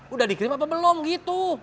udah dikirim apa belum gitu